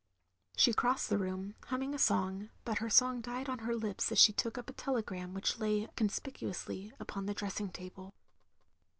She crossed the room, hunmiing a song, but her song died on her lips as she took up a telegram which lay conspicuously upon the dressing table.